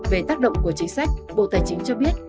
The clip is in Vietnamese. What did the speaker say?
về tác động của chính sách bộ tài chính cho biết